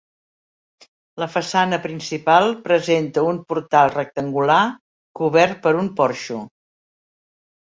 La façana principal presenta un portal rectangular cobert per un porxo.